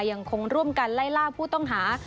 ยังคงร่วมกันไล่ล่าผู้ต้องหา